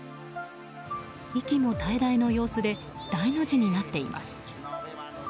息も絶え絶えの様子で大の字になっています。